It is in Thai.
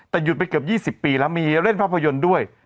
แต่หยุดไปเกือบ๒๐ปีแล้วมีเล่นภาพยนตร์ด้วย